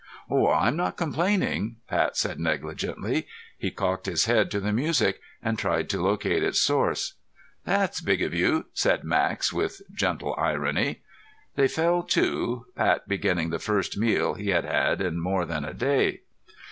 "Oh, I'm not complaining," Pat said negligently. He cocked his head to the music, and tried to locate its source. "That's big of you," said Max with gentle irony. They fell to, Pat beginning the first meal he had had in more than a day.